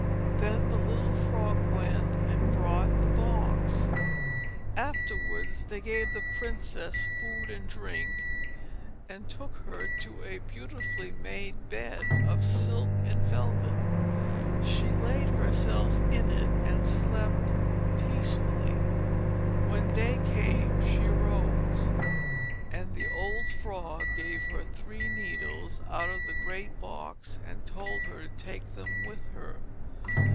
Then the little frog went and brought the box. Afterwards they gave the princess food and drink, and took her to a beautifully made bed, all of silk and velvet; she laid herself in it, and slept peacefully. When day came she arose, and the old frog gave her three needles out of the great box, and told her to take them with her.